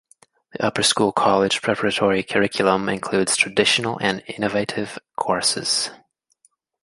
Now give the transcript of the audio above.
The Upper School college preparatory curriculum includes traditional and innovative courses.